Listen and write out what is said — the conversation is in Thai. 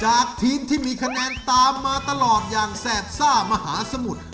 ทีมที่มีคะแนนตามมาตลอดอย่างแสบซ่ามหาสมุทร